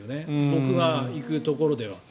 僕が行くところでは。